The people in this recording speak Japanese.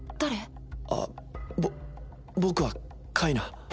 「あぼっ僕はカイナ」